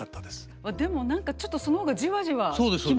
でも何かちょっとその方がじわじわ来ますね